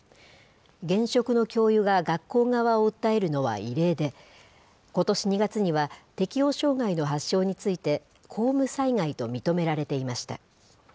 現職の教諭が学校側を訴えるのは異例で、ことし２月には、適応障害の発症について、公務災害と認められていました。